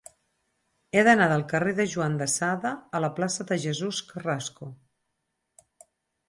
He d'anar del carrer de Juan de Sada a la plaça de Jesús Carrasco.